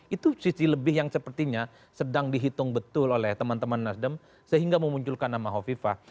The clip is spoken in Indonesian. itu sisi lebih yang sepertinya sedang dihitung betul oleh teman teman nasdem sehingga memunculkan nama hovifah